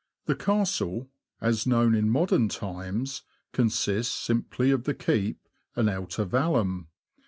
The Castle, as known in modern times, con sists simply of the keep and outer vallum.